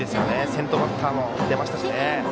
先頭バッターも出ましたし。